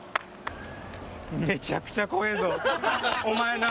めちゃくちゃ怖えぞお前な。